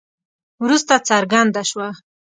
وروسته څرګنده شوه.